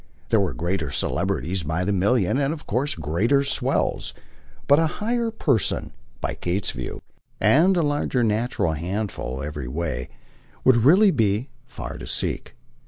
There were greater celebrities by the million, and of course greater swells, but a bigger PERSON, by Kate's view, and a larger natural handful every way, would really be far to seek.